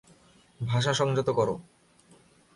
ভাষা সংযত কর।